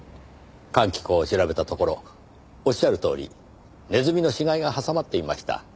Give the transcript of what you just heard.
換気口を調べたところおっしゃるとおりネズミの死骸が挟まっていました。